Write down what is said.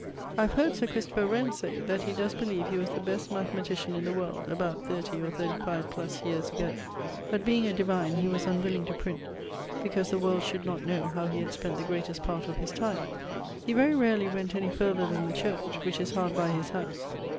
I have heard Sir Christopher Wren say that he does beleeve he was the best mathematician in the world about 30 or 35 + yeares agoe. But being a divine he was unwilling to print, because the world should not know how he had spent the greatest part of his time. He very rarely went any farther then the church, which is hard by his house.